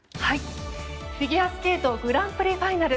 フィギュアスケートグランプリファイナル。